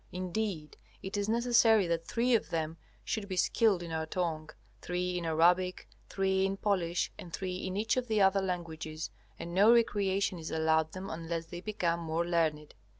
Indeed it is necessary that three of them should be skilled in our tongue, three in Arabic, three in Polish, and three in each of the other languages, and no recreation is allowed them unless they become more learned.